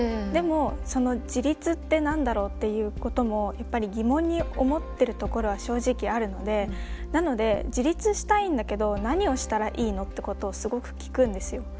でも自立って何だろうっていうこともやっぱり疑問に思ってるところは正直あるのでなので自立したいんだけど何をしたらいいのってことをすごく聞くんですよ。